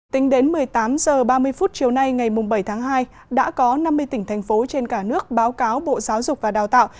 tính đến một mươi tám h ba mươi chiều nay ngày bảy tháng hai đã có năm mươi tỉnh thành phố trên cả nước báo cáo bộ giáo dục và đào tạo